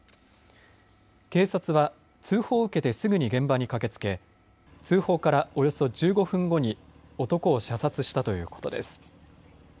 警察は通報を受けてすぐに現場に駆けつけ、通報からおよそ１５分後に男を射殺したということです。